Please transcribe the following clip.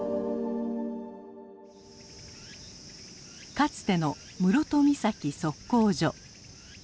かつての室戸岬測候所。